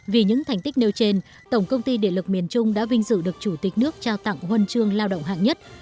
vì những thành tích nêu trên tổng công ty điện lực miền trung đã vinh dự được chủ tịch nước trao tặng huân chương lao động hạng nhất